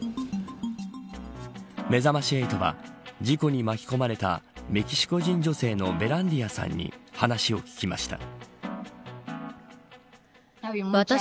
めざまし８は事故に巻き込まれたメキシコ人女性のヴェランディアさんに話を聞きました。